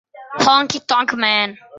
Honky Tonk Man